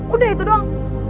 udah itu doang